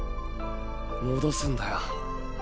戻すんだよ。